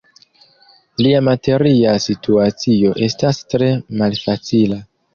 Lia materia situacio estas tre malfacila.